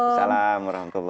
assalamualaikum wr wb